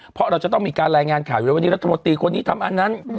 เพราะเราจะต้องมีการรายงานข่าวอยู่แล้ววันนี้รัฐมนตรีคนนี้ทำอันนั้น